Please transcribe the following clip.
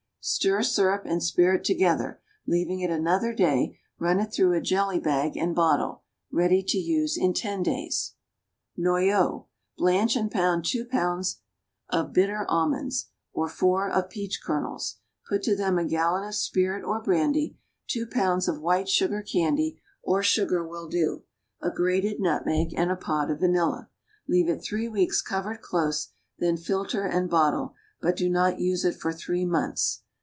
Stir syrup and spirit together, leave it another day, run it through a jelly bag, and bottle. Ready to use in ten days. NOYEAU. Blanch and pound two pounds of bitter almonds, or four of peach kernels; put to them a gallon of spirit or brandy, two pounds of white sugar candy or sugar will do a grated nutmeg, and a pod of vanilla; leave it three weeks covered close, then filter and bottle; but do not use it for three months.